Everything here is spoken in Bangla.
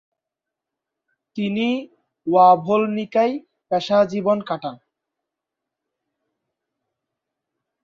তিনি ওয়াভোলনিকায় পেশাজীবন কাটান।